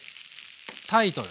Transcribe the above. タイトル。